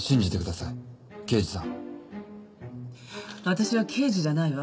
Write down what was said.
私は刑事じゃないわ。